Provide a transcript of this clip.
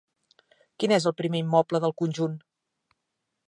Quin és el primer immoble del conjunt?